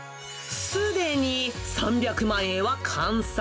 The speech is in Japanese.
すでに３００万円は完済。